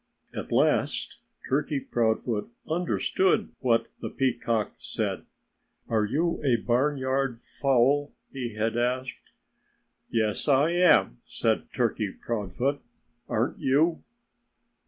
At last Turkey Proudfoot understood what the peacock said. "Are you a barnyard fowl?" he had asked. "Yes, I am," said Turkey Proudfoot. "Aren't you?"